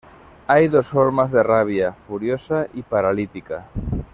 Hay dos formas de rabia: furiosa y paralítica.